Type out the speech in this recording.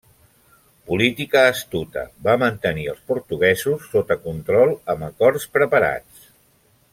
Política astuta, va mantenir els portuguesos sota control amb acords preparats.